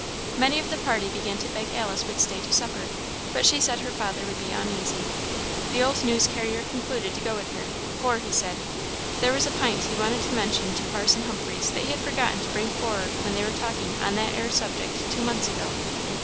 Many of the party began to beg Alice would stay to supper, but she said her father would be uneasy. The old news carrier concluded to go with her, for, he said, "there was a pint he wanted to mention to Parson Humphreys that he had forgotten to bring for'ard when they were talking on that 'ere subject two months ago."